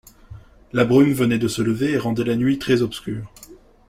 La brume venait de se lever et rendait la nuit très-obscure